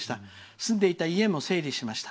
住んでいた家も整理しました。